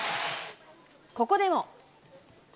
ここでも。